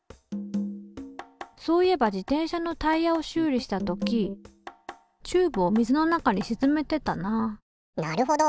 そういえば自転車のタイヤを修理した時チューブを水の中にしずめてたななるほど。